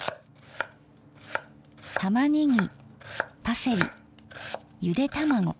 たまねぎパセリゆで卵。